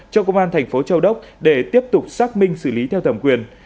cho công an thành phố châu đốc để tiếp tục xác minh xử lý theo thẩm quyền